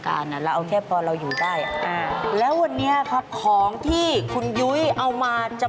ยังไม่สวยสมบูรณ์เท่าไหร่ถึงไหม